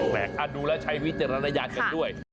ดูแล้วใช้วิจารณญาณกันด้วย